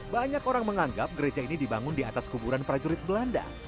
banyak orang menganggap gereja ini dibangun di atas kuburan prajurit belanda